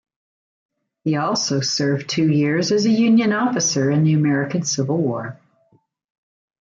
He also served two years as a Union officer in the American Civil War.